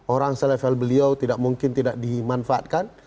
orang selevel beliau tidak mungkin tidak dimanfaatkan